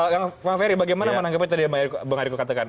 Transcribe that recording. kang ferry bagaimana menanggapnya tadi yang bang ariefo katakan